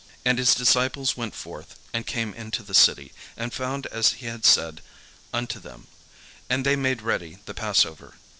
And his disciples went forth, and came into the city, and found as he had said unto them: and they made ready the passover.